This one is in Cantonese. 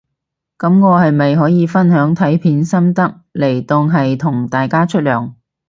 噉我係咪可以分享睇片心得嚟當係同大家出糧